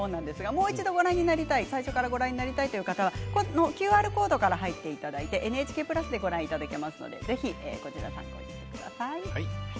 もう一度、最初からご覧になりたい方はＱＲコードから入っていただいてＮＨＫプラスでご覧いただけますのでぜひ参考にしてください。